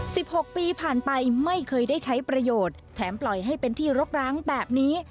หกปีผ่านไปไม่เคยได้ใช้ประโยชน์แถมปล่อยให้เป็นที่รกร้างแบบนี้